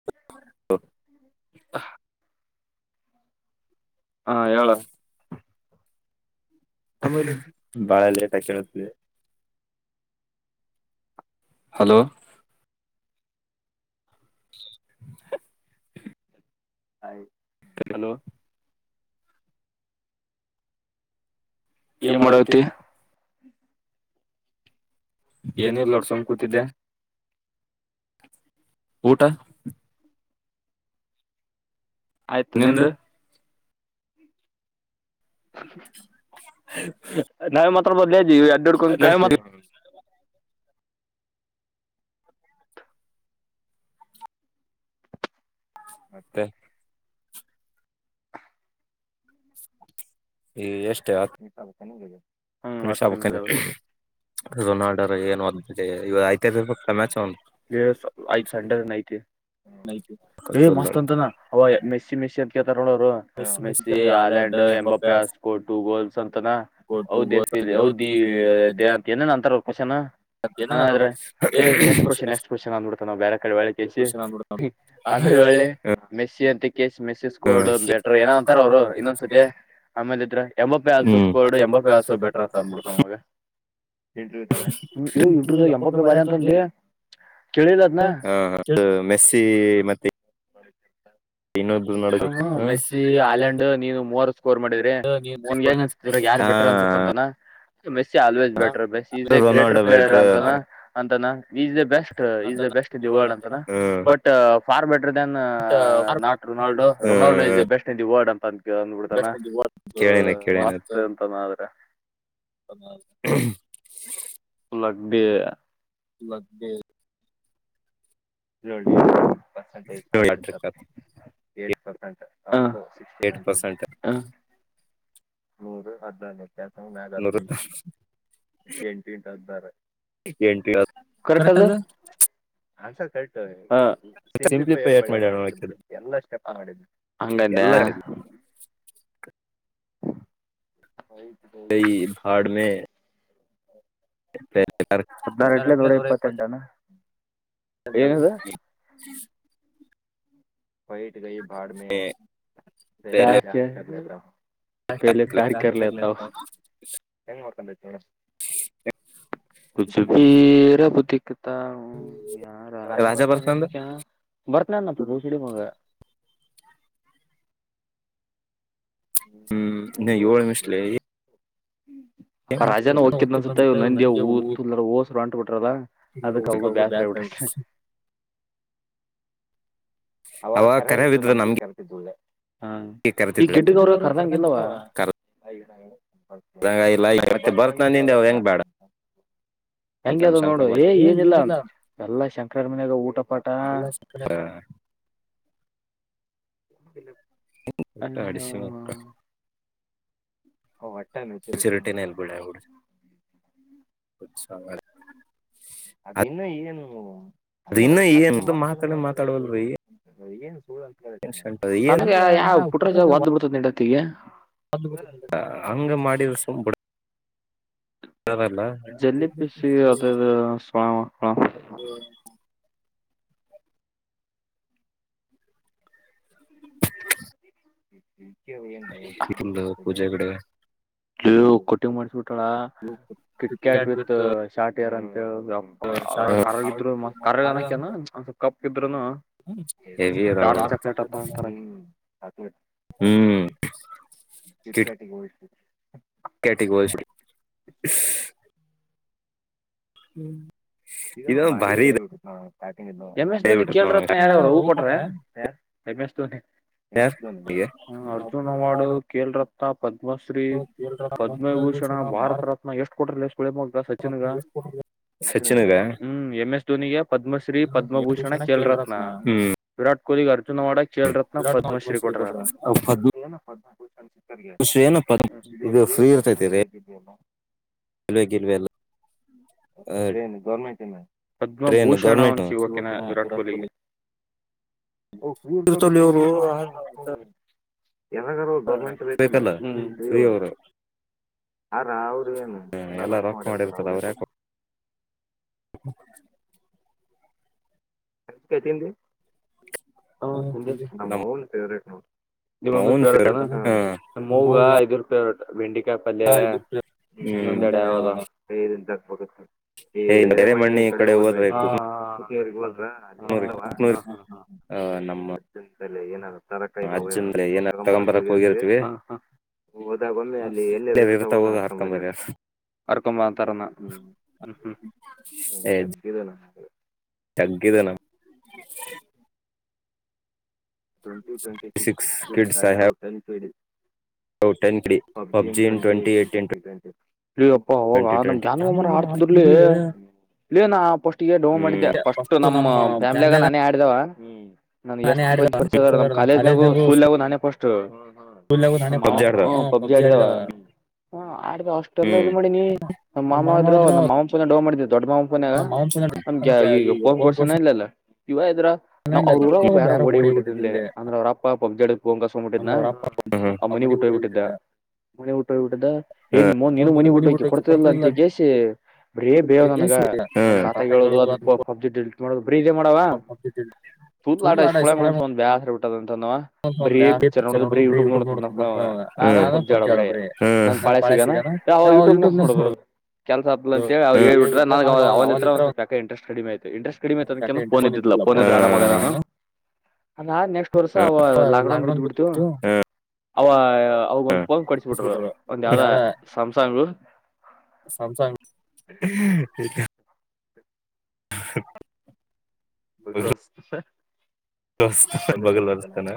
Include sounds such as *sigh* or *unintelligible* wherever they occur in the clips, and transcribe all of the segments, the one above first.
*unintelligible* ಹಾ ಹೇಳ ಬಾಳಲ್ಲೆಟಾಕ್ಕೆೇಳ hello hello ಏನ್ ಮಾಡಕತಿ ಏನ ಇಲ್ಲೋಡ್ ಸುಮ್ ಕೂತಿದ್ದೆ ಊಟಾ ಆಯ್ತು ನಿಮ್ದು ನಾವ ಮಾತಾಡಬಹುದಲೇ ಎಡ್ಡೋ ಹಿಡ ಕೋಂಡನ ಕೈಲಿ ಮತ್ತೆ ಎಷ್ಟೇ ಆತ್ಮೀ ಮಿನಿಟ್ ಆಗ್ಬೇಕೇನ ಹ್ಮ ಹತ್ ನಿಮಿಷ ಆಗಬೇಕು *unintelligible* ಮಸ್ತ ಅಂತ ಹ ಮೆಸ ಮೆಸ ರು ಮೆಸ್ಸಿ ಆ್ಲಲೇಡ್ ಎಂಬ ಪ್ಯಾಸ್ ಕೋಟು ಗೋಲ್ಸ್ ಅಂತನೌದ ದಂತ ಏನೇನ್ ಅಂತಾರ ಹ್ರೆ ಏ ನೆಸ್ಟ್ ಕೋಶ್ಚನ್ ನೆಸ್ಟ ಕೋಶ್ನ್ ನ ಅಂದು ಬಿಡ್ತಾನ ಬ್ಯಾರೆ ಕಡೆೆ ಹೋಳಿ ಕೆಸಿ ಆಳ್ಳಿ ಮೆಸ್ಸಿ ಅಂತ ಕಸ್ ಮೆಸ್ಸಿಕೋರ್ ಬೆಟ್ರ ಏನ ಅಂತಾರ ಅವ್ರು ಇನ್ನೊಂದ್ಸತಿ ಆಮೇಲೆ ಇದ್ರೆ ಎಂಬಪ್ಪಿ ಹಲ್ಸಸ್ಕೋಡು ಎಂಬಪ್ಪಿ ಆಲ್ಸು ಬೆಟರ್ ಅಂತ ಅಂದ್ಬಿಡ್ತ್ಗೆ ಇಂಟ್ರವಿ ಇಂಟ್ರಾವಿಗ ಎಂಬತ್ತು ಬಾರಿ ಅಂತಂದ ಹಾ ಅ ಮೆಸ್ಸಿ ಮತ್ತೆ ಹ ಹ್ಮ ಮೆಸ್ಸಿ ಆಯಲ್ಯಂಡ್ ನೀನು ಮೂವರ್ ಸ್ಕೋರ್ ಮಾಡಿದ್ರಿ ನಿಮ್ಗೆ ಹೆಂಗ ಅನ್ಸತರ ಯಾರ್ ಬೆಟ್ರ ಅನ್ಸ ಅಂತನ Messi always better best is a greater player ಅಂತಾನ ಅಂತಾನ is the best is the best. The world ಅಂತನಾ but for better than not Ronaldo Ronaldo is best the world ಅಂತ ಅ ಅಂದ್ಬಿಡ್ತಾನ ಸೊ ಮಸ್ತ್ ಅಂತಾನ. ರ *unintelligible* ಬಗಬಿ ಲಗ್ಬೇಕೇ *unintelligible* ಹಾ ಸಿಕ್ಸಟೀನ್ ಹಂಡ್ರೆಡ್ ಮೂರು ಹದನಾಲಕ್ *unintelligible* ಎಂಟಿ ಕರೆಕ್ಟ್ ಅದ ಆನ್ಸರ್ ಕರೆಟ್ ಹೇಳೀನಿ ಹ ಸಿಪ್ಲಿ *unintelligible* ಮಾಡ ಎಲ್ಲಾ ಸ್ಟೆಪ್ ಅಂಗಡ ಹಂಗದ *unintelligible* ಕೈ ಬಾಡ ಮೇ ಹದಿನಾರು ಎಂಟಲೆ ನೂರ್ ಇಪ್ಪತ್ ಎಂಟ ನ ಎ ಬೈಠ ಗಯ ಬಾಡ ಮೇ ಪೇಲೆ ಪ್ಯಾರ್ ಕರ್ ಲೆತಾವು ಹೆಂಗ ಮಕ್ಕದತಿ ಕುಚ ಬಿ ರಬ್ ದಿಕ ದಿಕತಾ ಹು ಯಾರ್ ಮೇ ಕ್ಯಾ ಬರತ ಲ್ಲಪ್ಪ ದೋ ಸಡಿ ಮಾಡಗ ಹ್ಮ್ ಇನ್ ಏಳ ನಿಮಿಷ ಲೇ ಹ ಅಪ್ಪ ರಾಜನ ಒಕ್ಕಿದ್ನನ್ಸುತ್ತ ನಂದಿ ಊ ತುಲ್ ಹೋಸರು ಅಟಟ್ ಬಿಟ್ರದ ಅದಕ್ ಅವಗ ಬ್ಯಾಸ್ರ ಆಗ್ಬಿಟೆತೆ ಹ ಹ ಅವಾಗ ಕರವಿದ್ರೆ ನಮ್ಗೆ ಕರ್ತಿದರ ಬಿಡಲೇ ಹಾ ಈ ಗಿಡ್ಡಗ ಅವ್ರಿಗೆ ಕರ್ದಂಗಲ್ಲವಾ ಮತ್ತೆ ಬಸ್ನಲಿಂದ ಆವಾ ಹೆಂಗ ಬೇಡ ಹೆಂಗ್ ಅದ ನೋಡು ಏ ಏನಿಲ್ಲ ಎಲ್ಲ ಶಂಕರ ಮನಾಗ ಊಟ ಪಾಠ ಇಲ್ಲ ಹಟ್ಟ ಅಡಿಸಿಿ ಮಕ್ಕ *unintelligible* ಹೌ ಚಿರುಟಿಲ್ ಬಿಡ ಅವಂಗ ಹುಚ್ಚ ಸ್ವಾಮಿಗಳ ಅದು ಇನ್ನ ಏನು ಅಲ್ಲ ಕಲ್ದು ಮಾತಾಡ ಮಾತಾಡ ಏನ್ ಬಂದ ಯಾವ ಯಾವ್ ಪುಟ್ಟ ರಾಜ್ ಒದ್ದ ಬಿಡ್ತದನ ಈವಾಗ್ ಹಂಗ ಮಾಡಿರ ಸುಮ್ ಬಿಡ ಜಲ್ಲಿ ಪಿಸಿ ಅದ ಸ್ಳಳ *unintelligible* *unintelligible* ಕಟಿಂಗ್ ಮಾಡಿಸ್ಕೊ ಕ್ರಿಕೆಟ್ ವಿತ್ ಶಾಟ್ ಅದ್ರ ಕರಗ ಇದ್ರು ಕರಗನಕ್ಯನ ಒನ್ ಸಪ ಕಪ್ ಇದ್ರುನು ಡಾರ್ಕ್ ಚಾಕ್ಲೇಟ್ ಅಂತ ಒಂತರ *unintelligible* ಕಿಟ್ ಕಾಟ್ ಕೆಟಿಗೋಲ್ಸ್ ಹ್ಮ್ ಬಾರಿ ಇದ ಎಂ ಎಸ್ ಧೋನಿ ಕೇಳ್ರತ್ನ ಯಾರ ಹೂ ಕೊಟ್ರ ಎಂ ಎಸ್ ಧೋನಿ ಅರ್ಜುನ್ ಮಾಡು ಕೆಲರ *unintelligible* ಮಧ್ಯದೇಶ ಮಾರ್ಗ ಸಚಿನ್ಗ ಹ್ಮ್ ಎಂ್ ಎಸ್ ಧೋನಿಗೆ ಪದ್ಮಶ್ರೀ ಪದ್ಮಭೂಷಣ ಕೇಲ್ರತ್ನ ವಿರಾಟ್ ಕೊಹ್ಲಿ ಅರ್ಜುನ್ ಅವಡ ಕೇಳರತ್ನ ಪದ್ಮಶ್ರೀ ಕೊಟ್ರ ಪದ್ಮಶ್ರೀನ ಪದ್ಮುರುಷ ಚರ್ ರ್ತದೆ ಎಲ್ಲಿ ಹಗಿದ್ದ ಎಲ್ಲ ರೈಲ್ವೆ ಗಗೆಲ್ವೆ ಎಲ್ಲ ಹೌ ನು ಗೌರ್ಮೆಂಟ್ ಪದ್ಮಭೂಷಣ ಒನ್ ಸಿಗುವಕಿನ ವಿರಾಟ್ ಕೊಹ್ಲಿಗೆ ಹ ಹೂ ತಲ್ಲಿರು ಯಾವಾಗಾರ ಗೌರ್ಮೆಂಷ ಬೇಕಲ್ಲರು ಹಾರ ಅವ್ರು ಏನು ಎಲ್ಲ ರೊಸ ಮಾಡಿರ್ತಾರ ಅವ್ರ ಯಾಕ *inaudible* ಿವ ನೋ ನಿಮ್ಮ ಮಮ್ಮಿ ಪೇವರೇಟನಾ ಮ ಮೂಗ ಐದುರು ಪೇರಟ್ ಪಲ್ಯ ಇನ್ನೊಂದೆಡೆ ಹದರಿಿಂದೋಗುತ್ತೆ ಈ ಎರೆ ಮಣ್ಣಿ ಕಡೆ ಹೋದ್ರೆ ೂರಿ ಆ ನಮ್ಮ ಏನಾದ ತಾರಕಾಯಲ್ಲ ಗಗಂಬರಕ್ಕೆ ಹೋಗಿರತ್ತವಿ ಹೋದಾಗ ಒಮ್ಮೆ ಅಲ್ಲಿ ಎಲ್ಲರ ಇರ್ತ ಹೋಗದ ಹಾಕೊಂಬ್ರ ಇರ್ತ ಆರ್ಕೊ ಬಾತರ್ಮ್ಮ ಚಗ್ಗ್ಯಧನ ಟ್ವೆಂಟಿ ಟ್ವೆಂಟಿ ಸಟ ಟನ್ ಪಬ್ಜಿನ್ ಟ್ವೆಂಟ ಏಯ್ಟೀನ್ ಇಪ್ಪ ಹೋಗ ನಮ್ ಜ್ಞಾನವಮ್ಮರ ಆಡ್ತಿದರ್ಲಿ ಇಲ್ಲಿ ನಾ ಪೋಸ್ಟ್ಿಗೆ ಡೋ ಮಾಡಿದ್ದೆ ಫಸ್ಟ್ ನಮ್ ಫ್ಯಾಮಿಲಿಿಯಾಗ ನಾನೇ ಆಡಿದವ ಹ್ಮ್ ನಾನ್ ಎಷ್ಟು ಬಂದ ಪರಿಚಯದ ನಮ್ ಕಾಲೇಜ್ನಾಗು ಸ್ಕೂಲ್ಾಗು ನಾನೇ ಪಫಸ್ಟ್ ಮಾವು ಹ ಪಬ್ಜಿ ಆಡಿಿದಾವ ಹಾ ಆಡ್ದ ಅಷ್ಟೆಲ್ಲ ಇದು ಮಾಡಿ ನೀ ನಮ್ಮ ಮಾಮ ಆದ್ರು ನಮ್ಮ ಮಾಮಪ್ಪನ ಡೋಗ ಮಾಡಿದ್ ದೊಡ್ಡ ಮಾಮಪ್ಪನಾಗ ನಮ್ಗೆ ಈಗ ೋನ್ ಕೋಡ್ನ ಇಲ್ಲಲ್ಲ ಇವಾಗ ಇದ್ರ ನಾವವು ಅವ್ರ ಊರಾಗ ಯಾರ ಓಡೇಬ ಬಿಟ್ಟ ೆ ಅಂದ್ರೆ ಅವ್ರಪ್ಪಾ ಪಗ್ಜಡ ಹಂಕಸ್ ಹೋಗ್ಬಿಟ್ಟಿದ್ ಅವ್ ಮನಿ ಊಟ್ಟ ಹೋಗ್ಬ ಬಿಟ್ಟಿದ್ದ ಮನೆಿ ಊಟ್ಟೋಬ ಬಿಟ್ಟದ ಏ ನಿಮ್ಮೊ ನೀನು ಮನೆಿ ಊಟೋಕೆ ಕೊಡ್ತದಿಲ್ಲ ಅಂತಗಸ ಬರ ಬೇವ ನನಗ ನಮ್ಮ ತಾತ ಹೇಳೋದು ಅದು ಪಬ್ಜಿ ಲ್ ಬ್ರೀ ಮಾಡವ ತೂತ್ಾಟಷ್ಟ ಪಳ ಒಂದು ಬ್ಯಾ ಹ ಬಿಟ್ಟದ ಅಂತಂದವ ಬರೀ ಪಿಕ್ಚರ್ ನೋಡುದು ಬರೀ ಯೂಟ್ಯೂಬ್ ನೋಡತದಾಗ ನಾನು ಪಬ್ಜಿ ಆಡೋಬ್ರಿ ನನ್ ಪಾಳೆ ಸಿಗಾನ ಯಾವ ಯೂಟ್ಯೂಬ್ ನ ನೋಡೋದು ಕೆಲಸ ಹಪ್ಲ ಅಂತಿ ಅವ ಹಳ್ಬ ಬಿಟ್ರ ನನ್ ಅವ್ ಹತ್ರ ಒ್ ಸ್ಪ ಯಕೆ ಇಂಟೆಸ್ಟ್ ಇಂಟ್ರೆಸ್ಟ್ ಕಡಿಮೆ ಆ ತನಕನುಫೋನ್ ಇದಿದಿಲ್ಲ ೋನ್ ಇದ್ರೆ ಆರಾಮಾಗ ನಾನು ಹ ನೆಕ್ಸ್ಟ್ ವರ್ಷ ಅವ ಲಾಕ್ಡೌನ್ ಬತ್್ ಬಿಿಡ್ತವಿ ಅವ ಅವಾಗ ಒಂದ್ ಪೋನ್ ಕೊಡಸಬಿಟ್ರು ಒಂದ್ ಯಾವ್ದ ಸಂಸಾರ ಸಸಾಂಗ್ ೆ ಹ ಬದ ಬಗಲ್ ಬರ್ಸ್್ತಾನ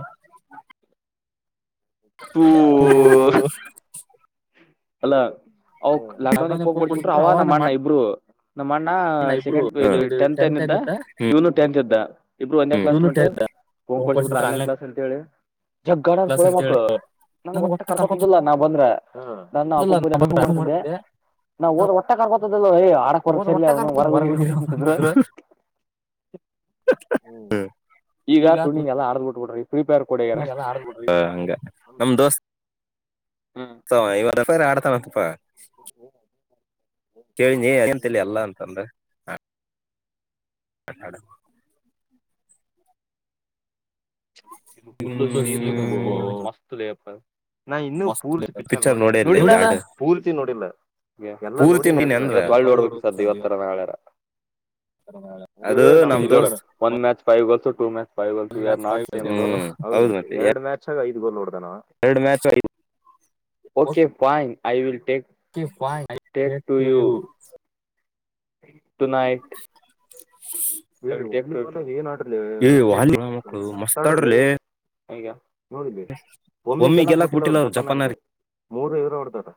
ಹ್ಮ ಅಲ್ಲ ಅವ ಲಾಕ್ಡೌನ್ ಹೋಗ್ ಕೊಡ್ಸಬಿಟ್್ರರು ಅವ ನ ಮಾಡಣ್ಣ ಇಬ್ರು ನಮ್ಮ ಅಣ್ಣ ಸೆಕೆಂಡ್ ಇದು ಟೆಂತ್ ಏನ್ ಇದ್ದ ಇವ್ನು ಟೆಂತ್ ಇದ್ದ ಇಬ್ರು ಒಂದೇ ಕ್ಲಾಸ್ ಮಂು ಫೋ್ ಕೊಡ್ಸಿಟ್ರ ಆನ್ಲೈನ್ ಕ್ಲಾಸ್ ಅಂತ ಹೇಳಿ ಜಗ್ಗಡಂದ ಸುಳೆ ಮಕ್ಳು ನನ್ಗ್ ಒಟ್ಟ ಕರ್ಕೊತುದಿಲ್ಲಾ ನಾ್ ಬಂದ್ರ ನಾನು ಅಪ್ಪುಪ ಡೋಗ ಮಾಡ್ತಿದ್ದೆ ನಾವ್ ಹೋದ ಒಟ್ಟ ಕರ್ಕೋತದಲ್ವ ಯ್ ಆರಕ್ ಹೊರ ಸರ್ಲಿ ಅವ್ನು ಹೊರಗುಿಂತದ್ರು ಹ *inaudible* ಹ ನಮ ದೋಸ್ತ್ *unintelligible* ಫ್ರೀಪರ್ ಆಡ್ತನಾ ಅಂತಪ್ಪಾ. *inaudible* ಕೇಳನೀ *unintelligible* ಎಲ್ಲಾ ಅಂತ ಅಂದ. *inaudible* ಇನ್ನು ಪುಲ್ಲು ಸೀನು ಗೊ ಮಸ್ತಲೆಪ್ಪ. ನಾ ಇನ್ನು ಪೂರ್ತಿ ಪಿಕ್ಚರ್ ನೋಡ ನೋಡಿಲ್ಲ ಪೂರ್ತಿ ನೋಡಿಲ್ಲ. ಎಲ್ಲಾ ನೋಡಿನ ಅಂದ್ರ ಇವತ್ ಒಳ್ಳಿ ನೋಡ್ಬೇಕು ಸದ ಇವತ್ತರ ನಾಳಾರ. ಅದು ನಮ್ಗ ಇಲ್ಲಿ ನೋಡ one maths five *inaudible* to maths five view are not hello ಹೌದು ಮತ್ತೆ ಎರಡು ಮ್ಯಾಚ್. ಐದ ಗೋಲ್ ಓಡದಾನ okay fine I will. Okay fine I take to you. To night. *inaudible* ಏ *unintelligible* *inaudible* ಹಗೆ. ನೋಡಿ ಬೇ ಒಮ್ಮಿಗೆಲ್ಲಾಕ್ ಬಿಟ್ಟಿಲ್ಲ ಅವರ ಜೋಪ್ಪನಕ ಮೂರ ಇವರ ಹೊಡದಾರ.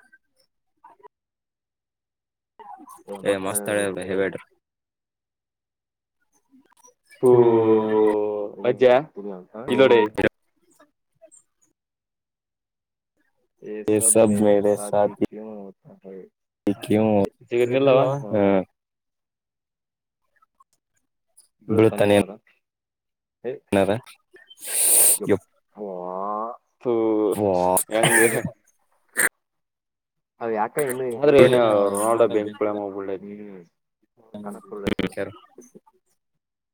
*inaudible* ಏ ಮಸ್ತಾಳೆ ಹೇಬೇಡ್ರಿ. *inaudible* ಹೂ ಅಜೇ ಇಲೋಡೆ. *inaudible* ಕ್ಯೂ ಏನೀಲ್ಲ ಹ್ಮ *unintelligible* ಬಿಳತಾನ ಏನಾದ. ಏನರ *unintelligible* ಹಾ ತು ಎಂಗೆ. *inaudible* *inaudible*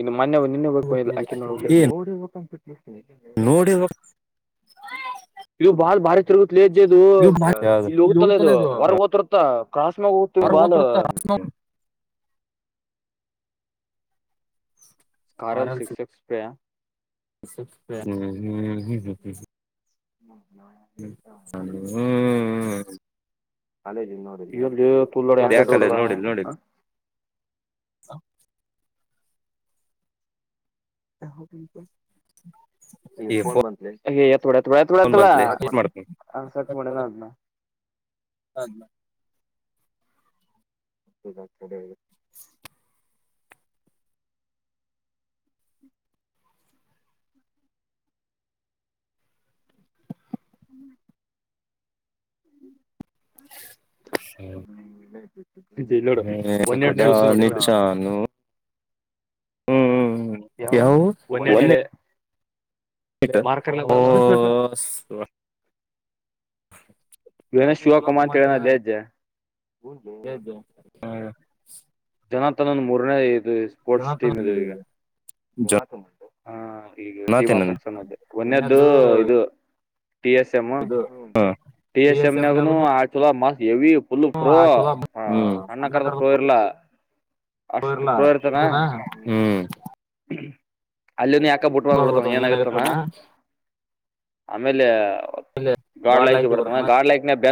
ಇನ್ನು ಮೊನೆ ನಿನ್ನ ಹೋಗ್ಬೇಕ ಆಕನಿ ನೋ *inaudible* ನೋಡಿರಬೇಕ. ಲೇಜ್ಜ ಅದು ಇಲ್ಲಿ ಹೋಗತಲ ಅದು ಹೊರಗ್ ಓತಿರುತ್ತ. ಕ್ರಾಸ್ ಮ್ಯಾಗ ಹೋತ ಬಾಲ. ಕಾರಾಲಿ *unintelligible* *unintelligible* ಹ್ಮ್ ಹ್ಮ್ ಹ್ಮ್ *unintelligible* *inaudible* ಕಾಲೇಜ ಲ್ಲಿ ನೋಡದವಿ ವಿಡಿಯೋ ಫುಲ್ ನೋಡಿದೆ ಎಂತೇಟ ಹೊಡೆದ *unintelligible* *inaudible* *unintelligible* ಫೋನ್ ಬಂತಲೆ. ಎತಬೇಡ ಏತಬೇಡ ಹೆತೆಬೇಡ ಕಟ್ ಮಾಡತೀನಿ ಕಟ್ ಮಾಡ ಅದನ *unintelligible* *inaudible* ಹ್ಮ್. ಹ್ಮ್. *inaudible* ಅಜೆ ಇಲ್ಲೋಡ ಒನಏಟು ಟು ಸೆವೆಂಟಿ ಸೇವನ ಹೂ. ಹ್ಮ್ ಹ್ಮ್ ಹ್ಮ್ ಯಾವ ಒನ್ ಎಟ *unintelligible* ಆಯ್ತ *unintelligible* *inaudible* ವೀರೇಶ್ ಶೂ ಹಾಕೊಂಬಾ ಬಾ ಅಂತ ಹೇಳಿದ್ದ ಅಲ್ಲೆ ಇದ್ದೆ. ಎದುು ಹ *unintelligible* *unintelligible* ಈಗ ಟೀಮ್ ಆಫೆಕ್ಸ್ ಒದ್ದೆ ಒನೆದ್ದು ಇದು. T S M T S M ನಂಗುನು ಆಕ್ತದಮ ಎವಿ, ಫುಲ್ ಪ್ರೊ ಅಣ್ಣಾಕರದ ಪ್ರೊ ಇರ್ಲ್ಲ, ಪ್ರೊ ಇರ್ಲ್, ಅಲ್ಲಿನ ಯಾಕ ಬಿಟ್ ಬಂದ್ ಬಿಡ್ತಾನ ಏನಾಗತ್ತಾನ ಆಮೇಲೆ, ಗಾಡ್ ಲೈಕಿ ಬಿಡತಾನ ಗಾಡ್ ಲೈಕ್ ನ ಬೆ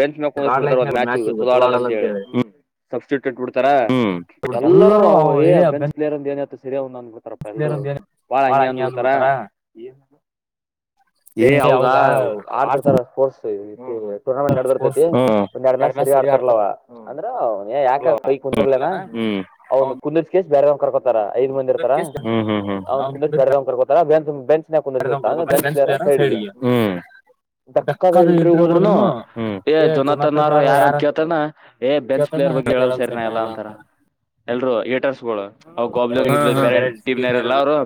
ಬೆಂಚ್ಮೆಲ್ ಕುಂದ್ರಷಿ ಬಿಡ್ತಾರೆ ಒಂದು ಮ್ಯಾಚ್ಇವ್ ಚೊಲೋ ಆಡಲ್ಲ ಅಂತ ಹೇಳಿ. ಸಬ್ಸ್ಟಿಟಟ್ ಬಿಡ್ತಾರ ಎಲ್ಲರೂಏ ಬೆಂಚ್ ಪ್ಲೇರ್ ಅಂದ ಏನ ಸರಿ ನ ಹತಾರಪ್ಪ ಎಲ್ರು ಬಾಳ ಹಂಗೆ ಅಂದ್ ಬಿಡ್ತಾರ, ಏ ಅವಗ ಆಡ್ತಿರ್ತಾರ ಸ್ಪೋರ್ಟ್ಸ್, ಟೂರ್ನಮೆಂಟ್ ನಡದಿರ್ತೈತಿ ಒಂದ್ ಎರಡು ಮ್ಯಾಚ್ ಸರಿ ಆಡ್ತಾರಲ್ಲವ ಅಂದ್ರ ಯಾಕ ಕೈ ಕುಂತಿರ್ಲ ಹ್ಮ, ಅವನು ಕಕುಂದ್ರಶ್ ಕೆಶಿ ಬೇರೆವ್, *unintelligible* ಹ್ಮ್, ಬೆಕ್ಕದ್ ಇಂಟ್ರವು ಹೋದ್ರುನು ಏ ಜೊನತನಾರ ಯಾರ ಅಂತ ಕೇಳ್ತಾನ ಏ ಬೆಂಚ್ ಪ್ಲ ಹೇಳತಿರ್ಬೆಕ್ ಹೇಳಲ್ ಸರಿನಾ ಎಲ್ಲ ಅಂತಾರ ಎಲ್ರು ಏಟರ್ಸ್ಗಳು, ಗೋಬ್ಲನ್ ಗಿಬ್ಲ ಬೇರೆ ಟೀಮ್ನ ಇರ್ಲ್ಲ ಅವ್ರು,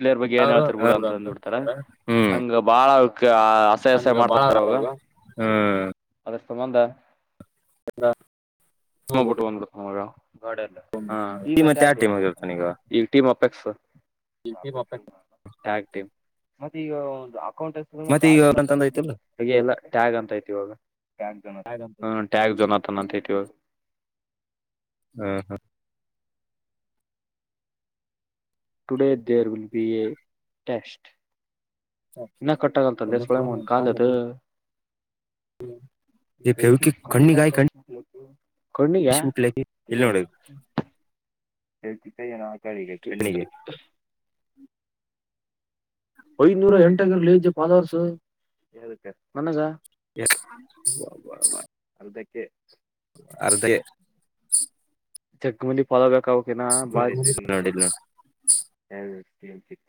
ಪ್ಲೇಯರ್ ಬಗ್ಗೆ ಏನ್ ಹೇಳ್ತರ್ ಬಿಡ ಅಂತಂದ್ ಬಿಡ್ತಾರ. ಹಂಗ ಬಾಳ, ಯಾ ಅಸ್ಸ್ಯಾ ಅಸ್ಸ್ಯಾಮಾಡ್ತಿರ್ತೀರ್ ಅವಾಗ, ಅದ್ರ ಸಂಬಂಧ ಸುಮ್ಮ್ ಬಿಟ್ಟ ಬಂದ್ ಬಿಡ್ತಿನಿ ಅವ್ವಗ. *unintelligible* ಟೀಮ್ಗ ಇರ್ತನ ಈಗ. ಮತ್ತ ಈಗ, ಅಕೌಂಟ್ ಎ ಗಾಡಿ ಇಲ್ಲ ಅಂತ ಐತಿ ಹೇ ಇಲ್ಲ ಟ್ಯಾಗ್ ಅಂತ ಐತಿ ಇವಾಗ. *unintelligible* ಹ್ಮ್, ಹ್ಮ್ today there will be test. ಇನ್ನ ಕಟ್ಟಗ್ವಲ್ತ ಅಲ್ಲ ಲೆ *unintelligible* ಕಾಲ ಅದು *unintelligible* ಕಣ್ಣೂಗ್ಯ, *unintelligible* *unintelligible* ಐನೂರ ಎಂಟ್ ಅಗ್ಯಾರ್ ಲೇಏಜ್ ಫಾಲ್ಲೋರ್ಸ್ ನನಗ. *inaudible* ಅದಕ್ಕೆ, ಅರ್ಧ *inaudible* ಚಗಮಂದಿ ಫಾಲೋ ಬ್ಯಾಕ್ ಆಗ್ಬೇಕ್ ಇನ್ನಾ, *unintelligible*